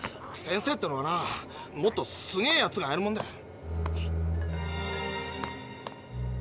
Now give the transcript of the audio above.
「先生」ってのはなもっとすげえやつがやるもんだ。